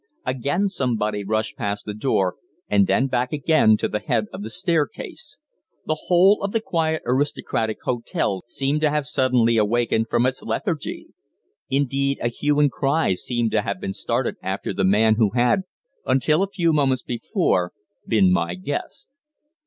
Again somebody rushed past the door and then back again to the head of the staircase. The whole of the quiet aristocratic hotel seemed to have suddenly awakened from its lethargy. Indeed, a hue and cry seemed to have been started after the man who had until a few moments before been my guest.